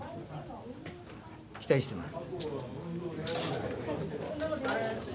期待してます。